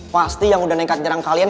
pasti yang udah nekat nyerang kalian